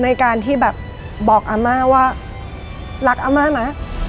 ในการที่แบบบอกอาม่าว่ารักอาม่านะ